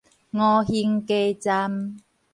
吳興街站